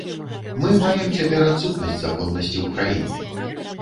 Мы маем цяпер адсутнасць законнасці ў краіне.